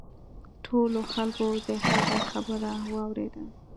ټولو خلکو د هغه خبره واوریده.